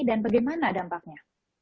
dan bagaimana dampaknya